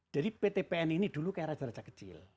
jadi pt pn ini dulu kayak raja raja kecil